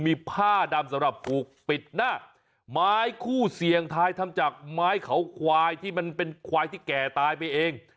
มีผ้าดำสำหรับผูกปิดหน้าไม้คู่เสี่ยงทายทำจากไม้เขาควายที่มันเป็นควายที่แก่ตายไปเอง